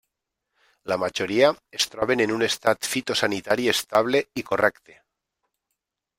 La majoria es troben en un estat fitosanitari estable i correcte.